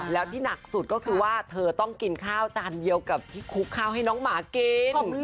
แล้วที่หนักสุดก็คือว่าเธอต้องกินข้าวจานเดียวกับที่คุกข้าวให้น้องหมากิน